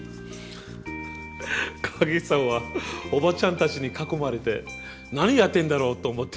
影さんはおばちゃん達に囲まれて何やってんだろうと思って。